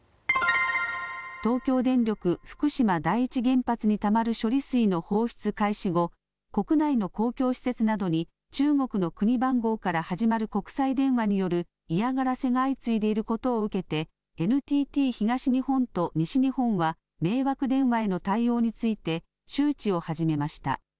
東京電力福島第一原発にたまる処理水の放出開始後、国内の公共施設などに中国の国番号から始まる国際電話による嫌がらせが相次いでいることを受けてＮＴＴ東日本と西日本は迷惑電話への対応について周知を始めました。